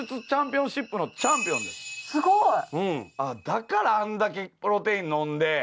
だからあんだけプロテイン飲んで。